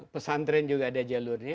pesantren juga ada jalurnya